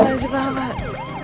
makasih pak pak